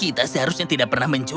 itu gak pulau itu